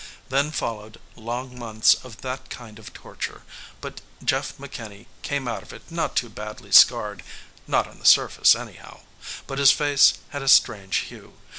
Then followed, long months of that kind of torture, but Jeff McKinney came out of it not too badly scarred. Not on the surface, anyhow. But his face had a strange hue.